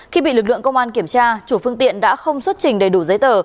khi bị lực lượng công an kiểm tra chủ phương tiện đã không xuất trình đầy đủ giấy tờ